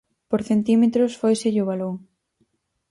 Por centímetros fóiselle o balón.